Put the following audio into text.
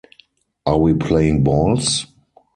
Are we playing balls?